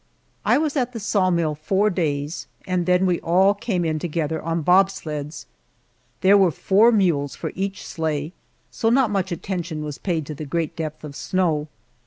I was at the saw mill four days, and then we all came in together and on bob sleds. There were four mules for each sleigh, so not much attention was paid to the great depth of snow.